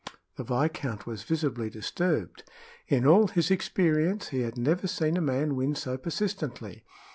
The viscount was visibly disturbed. In all his experience he had never seen a man win so persistently.